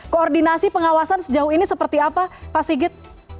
koordinasi pengawasan sejauh ini seperti apa pak sigit